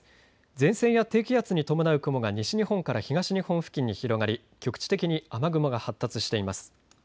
前線や低気圧に伴う雲が西日本から東日本付近に広がり局地的に雨雲が発達しています。